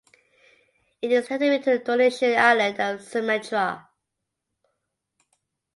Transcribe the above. It is endemic to the Indonesian island of Sumatra.